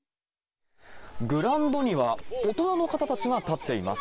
グラウンドには大人の方たちが立っています。